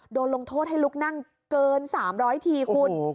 โดนลงโทษให้ลุกนั่งเกิน๓๐๐ทีคุณ